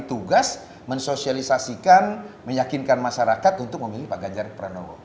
tugas mensosialisasikan meyakinkan masyarakat untuk memilih pak ganjar pranowo